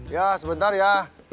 ya sebentar ya